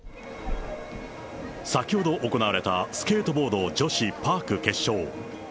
先ほど行われた、スケートボード女子パーク決勝。